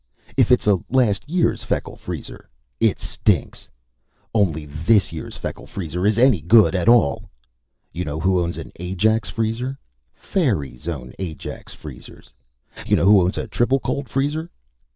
If it's a last year's Feckle Freezer, it stinks! Only this year's Feckle Freezer is any good at all! You know who owns an Ajax Freezer? Fairies own Ajax Freezers! You know who owns a Triplecold Freezer?